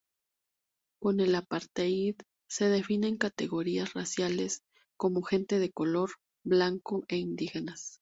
Con el apartheid se definen categorías raciales, como gente de color, blancos e indígenas.